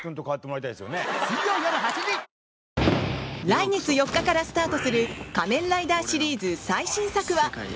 来月４日からスタートする「仮面ライダー」シリーズ最新作は。